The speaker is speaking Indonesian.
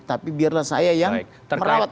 tapi biarlah saya yang merawat